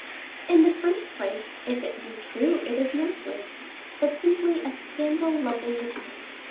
"In the first place, if it be true, it is no slander, but simply a scandal loving report.